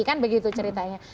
kan begitu ceritanya